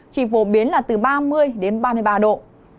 chỉ phổ biến là từ ba mươi đến ba mươi ba độ